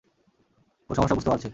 ওর সমস্যা বুঝতে পারছি।